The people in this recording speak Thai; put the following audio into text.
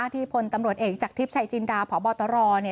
ที่ผลตำรวจเอกจากทริปชัยจินดาผอบตรเนี่ย